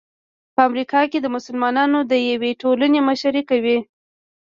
په امریکا کې د مسلمانانو د یوې ټولنې مشري کوي.